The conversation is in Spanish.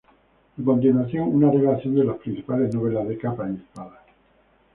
A continuación una relación de las principales novelas de capa y espada.